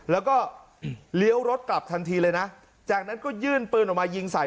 แล้วก็เลี้ยวรถกลับทันทีเลยนะจากนั้นก็ยื่นปืนออกมายิงใส่